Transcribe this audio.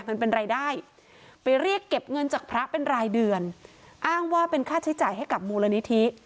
มันเป็นรายได้ไปเรียกเก็บเงินจากพระเป็นรายเดือนอ้างว่าเป็นค่าใช้จ่ายให้กับมูลนิธิ